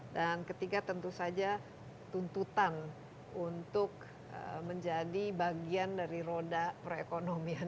dan ketiga tentu saja tuntutan untuk menjadi bagian dari roda proekonomian